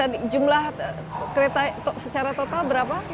dan tadi jumlah kereta secara total berapa